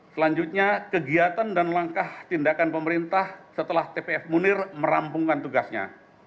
selanjutnya kegiatan dan langkah tindakan pemerintah setelah tpf munir merampungkan tugasnya